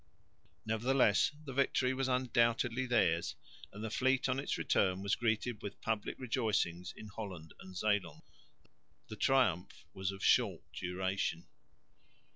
Nevertheless the victory was undoubtedly theirs; and the fleet on its return was greeted with public rejoicings in Holland and Zeeland. The triumph was of short duration.